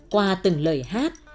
qua từng lời hát